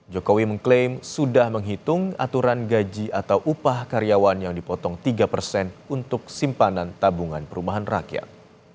jokowi mengklaim sudah menghitung aturan gaji atau upah karyawan yang dipotong tiga persen untuk simpanan tabungan perumahan rakyat